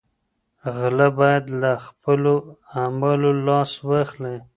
غله باید له خپلو اعمالو لاس واخلي.